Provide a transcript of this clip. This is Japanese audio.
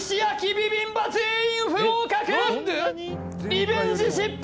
リベンジ失敗！